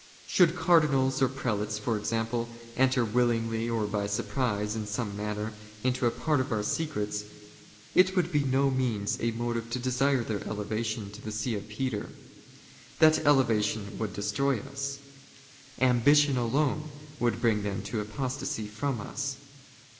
Should cardinals or prelates, for example, " enter, willingly or by surprise, in some manner, into a part of " our secrets, it would be by no means a motive to desire their '* elevation to the See of Peter. That elevation would destroy us. " Ambition alone would bring them to apostasy from us.